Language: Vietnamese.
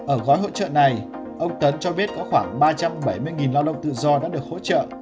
ở gói hỗ trợ này ông tấn cho biết có khoảng ba trăm bảy mươi lao động tự do đã được hỗ trợ